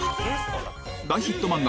大ヒット漫画